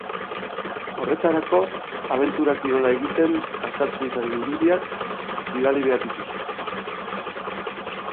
Horretarako, abentura-kirola egiten azaltzen zaren irudiak bidali behar dituzu.